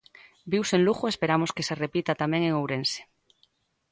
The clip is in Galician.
Viuse en Lugo e esperamos que se repita tamén en Ourense.